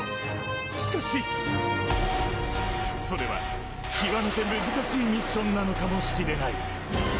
しかし、それは極めて難しいミッションなのかもしれない。